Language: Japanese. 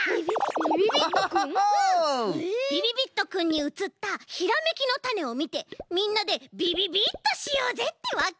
びびびっとくんにうつったひらめきのタネをみてみんなでびびびっとしようぜってわけ！